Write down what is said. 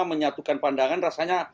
menyatukan pandangan rasanya